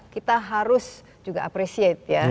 kita harus juga appreciate ya